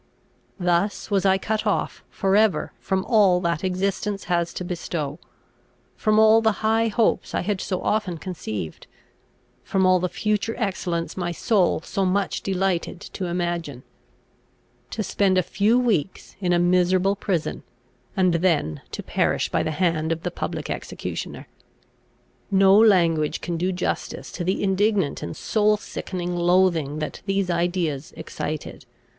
Thus was I cut off, for ever, from all that existence has to bestow from all the high hopes I had so often conceived from all the future excellence my soul so much delighted to imagine, to spend a few weeks in a miserable prison, and then to perish by the hand of the public executioner. No language can do justice to the indignant and soul sickening loathing that these ideas excited.